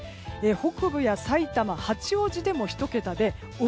北部やさいたま八王子でも１桁で奥